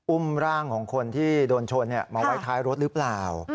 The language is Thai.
อุ้มร่างของคนที่โดนชนมาไว้ท้ายรถหรือเปล่า